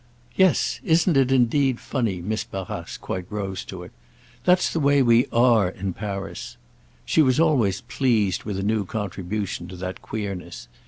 "Yes—isn't it indeed funny?" Miss Barrace quite rose to it. "That's the way we are in Paris." She was always pleased with a new contribution to that queerness.